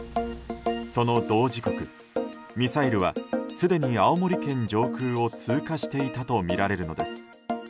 その同時刻、ミサイルはすでに青森県上空を通過していたとみられるのです。